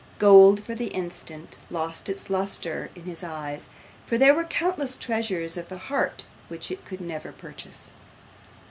Gold, for the instant, lost its lustre in his eyes, for there were countless treasures of the heart which it could never purchase.